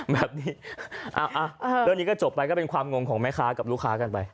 แบบนี้เรื่องนี้ก็จบไปก็เป็นความงงของแม่ค้ากับลูกค้ากันไป